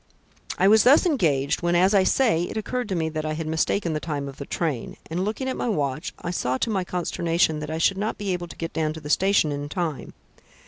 "I was thus engaged when, as I say, it occurred to me that I had mistaken the time of the train, and, looking at my watch, I saw to my consternation that I should not be able to get down to the station in time.